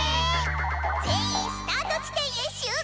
「全員スタート地点へ集合！」。